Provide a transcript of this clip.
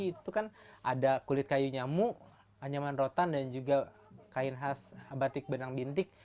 itu kan ada kulit kayu nyamuk anyaman rotan dan juga kain khas batik benang bintik